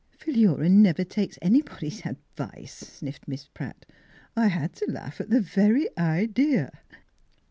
" Philura never takes anybody's ad vice," sniffed Miss Pratt. " I had t' laugh at the very idea!